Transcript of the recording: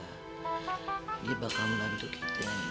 ini bakal membantu kita